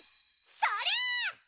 そりゃ！